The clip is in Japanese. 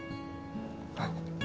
はい。